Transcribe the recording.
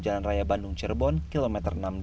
jalan raya bandung cirebon kilometer enam puluh dua